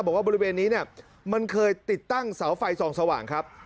บริเวณนี้เนี่ยมันเคยติดตั้งเสาไฟส่องสว่างครับ